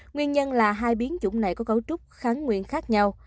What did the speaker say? nguyên nhân là hai biến chủng này có cấu trúc kháng nguyên khác nhau